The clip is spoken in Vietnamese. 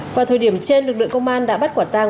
qua thời điểm trên lực lượng công an đã bắt quả tăng